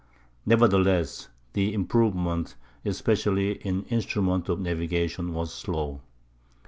Nevertheless, the improvement, especially in instruments of navigation, was slow.